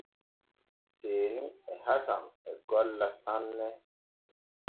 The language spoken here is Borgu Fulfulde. Seeni e Hasan e golla sanne.